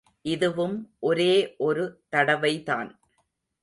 இதுவும் ஒரே ஒரு தடவைதான்.